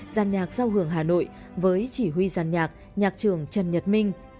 giàn nhạc giao hưởng hà nội với chỉ huy giàn nhạc nhạc trường trần nhật minh